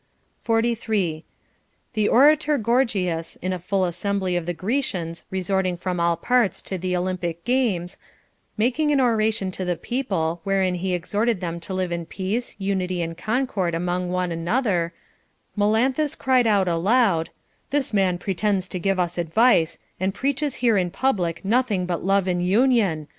43. The orator Gorgias, in a full assembly of the Gre cians, resorting from all parts to the Olympic games, mak ing an oration to the people, wherein he exhorted them to live in peace, unity, and concord among one another, Melan thus cried out aloud : This man pretends to give us advice, and preaches here in public nothing but love and union, CONJUGAL PRECEPTS.